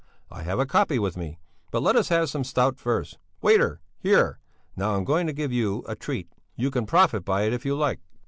I have a copy with me. But let us have some stout first. Waiter! Here! Now I'm going to give you a treat; you can profit by it if you like."